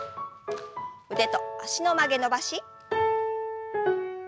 腕と脚の曲げ伸ばし。